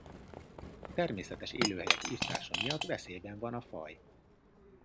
A természetes élőhelyek irtása miatt veszélyben van a faj.